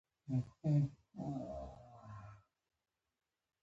دیموکراسي دیموکراسي تر منځ بحثونه شوي.